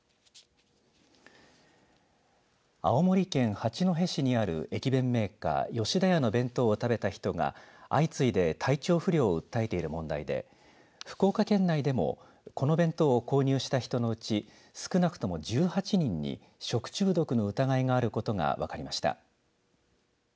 青森県八戸市にある駅弁メーカー吉田屋の弁当を食べた人が相次いで体調不良を訴えている問題で福岡県内でもこの弁当を購入した人のうち少なくとも１８人に食中毒の疑いがあることが分かりました。